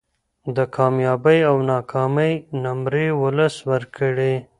د کامیابۍ او ناکامۍ نمرې ولس ورکړي